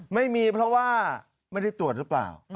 ไม่มีเพราะว่าไม่ได้ตรวจหรือเปล่า